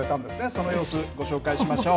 その様子、ご紹介しましょう。